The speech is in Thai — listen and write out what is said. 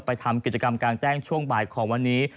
ทำกิจกรรมกลางแจ้งช่วงบ่ายของวันนี้